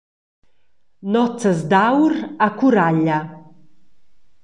Nozzas d’aur a Curaglia.